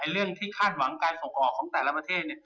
เรื่องที่คาดหวังการส่งออกของแต่ละประเทศ